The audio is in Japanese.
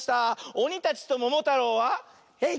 おにたちとももたろうは「えい！